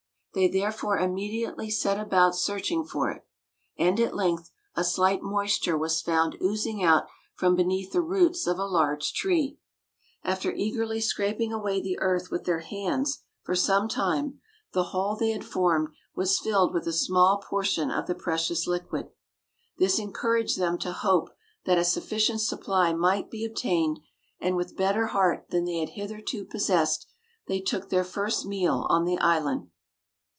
They therefore immediately set about searching for it, and at length a slight moisture was found oozing out from beneath the roots of a large tree. After eagerly scraping away the earth with their hands for some time, the hole they had formed was filled with a small portion of the precious liquid. This encouraged them to hope that a sufficient supply might be obtained, and with better heart than they had hitherto possessed they took their first meal on the island.